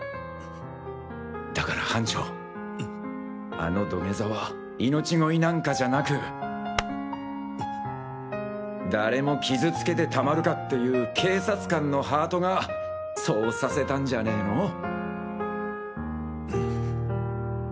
だから班長あの土下座は命乞いなんかじゃなく誰も傷つけてたまるかっていう警察官のハートがそうさせたんじゃねの？